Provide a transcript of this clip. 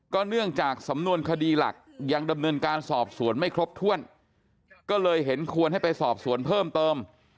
เนื่องจากสำนวนคดีหลักยังดำเนินการสอบสวนไม่ครบถ้วนก็เลยเห็นควรให้ไปสอบสวนเพิ่มเติม